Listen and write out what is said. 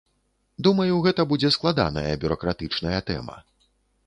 Думаю, гэта будзе складаная бюракратычная тэма.